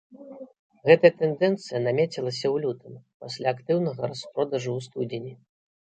Гэтая тэндэнцыя намецілася ў лютым, пасля актыўнага распродажу ў студзені.